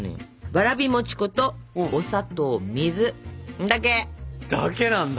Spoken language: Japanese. わらび餅粉とお砂糖水だけ！だけなんだ。